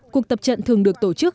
cuộc tập trận thường được tổ chức